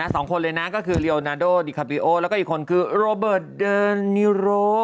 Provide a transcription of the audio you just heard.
สองคนเลยนะก็คือเรียลนาโดดิคาบิโอแล้วก็อีกคนคือโรเบิร์ตเดินนิโร